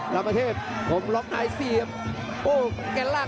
แต่วันในนี้ครับลากหมาปันเลยครับ